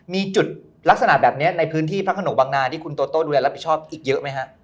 มีจุดลักษณะแบบนี้ในพื้นที่พระขนงบังนาที่คุณโตโต้ดูแลรับผิดชอบอีกเยอะไหมฮะ